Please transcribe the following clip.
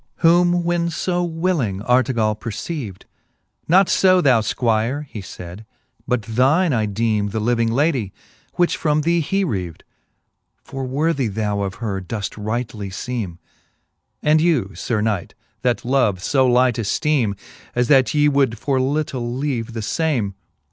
XXVIII. Whom when fo willing Artegall perceaved ; Not fo, thou Squire, he fayd, but thine I deeme The living lady, which from thee h,e reaved : For worthy thou of her doefl; rightly feeme. And you, Sir knight, that love fo light efteeme, As that ye would for little leave the fame.